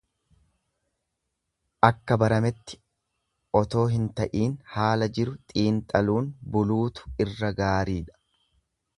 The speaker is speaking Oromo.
Akka barametti otoo hin ta'iin haala jiru xiinxaluun buluutu irra gaariidha.